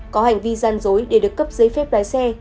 có hành vi gian dối để được cấp giấy phép lái xe